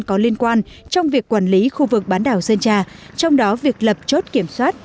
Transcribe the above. có liên quan trong việc quản lý khu vực bán đảo sơn trà trong đó việc lập chốt kiểm soát